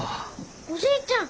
おじいちゃん！